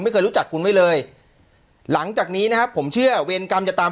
ไม่เคยรู้จักคุณไว้เลยหลังจากนี้นะครับผมเชื่อเวรกรรมจะตาม